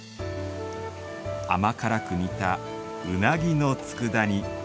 甘辛く煮た、うなぎの佃煮。